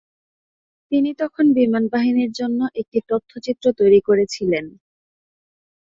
তিনি তখন বিমান বাহিনীর জন্য একটি তথ্যচিত্র তৈরি করেছিলেন।